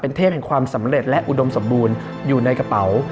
เทพแห่งความสำเร็จและอุดมสมบูรณ์อยู่ในกระเป๋า